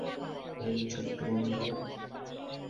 হেই, ছোট্ট বন্ধু।